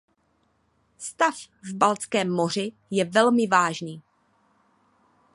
Stav v Baltském moři je velmi vážný.